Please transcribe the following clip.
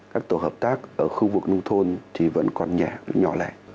các tổ hợp tác ở khu vực nông thôn thì vẫn còn nhỏ lẻ